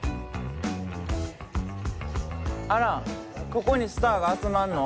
アランここにスターが集まんの？